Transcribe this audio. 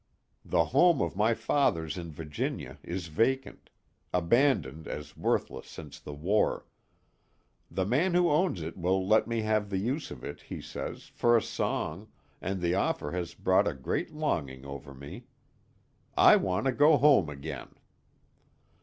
The home of my fathers in Virginia is vacant abandoned as worthless since the war. The man who owns it will let me have the use of it, he says, for a song, and the offer has brought a great longing over me. _I want to go home again.